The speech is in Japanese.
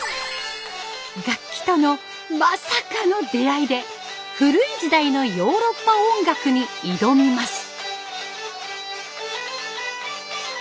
楽器との「まさか！」の出会いで古い時代のヨーロッパ音楽に挑みます。